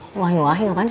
buah buahin apaan sih